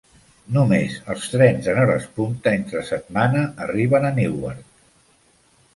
Només els trens en hores punta entre setmana arriben a Newark.